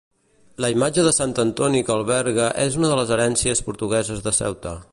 La imatge de sant Antoni que alberga és una de les herències portugueses de Ceuta.